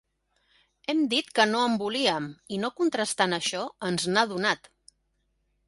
Hem dit que no en volíem i, no contrastant això, ens n'ha donat.